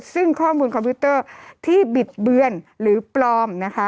ซึ่งข้อมูลคอมพิวเตอร์ที่บิดเบือนหรือปลอมนะคะ